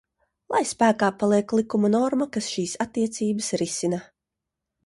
Lai spēkā paliek likuma norma, kas šīs attiecības risina.